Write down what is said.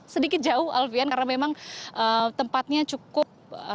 sedikit jauh alfian karena memang tempatnya cukup